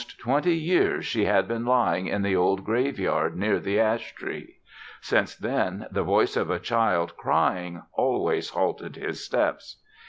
Almost twenty years, she had been lying in the old graveyard near the ash tree. Since then the voice of a child crying always halted his steps.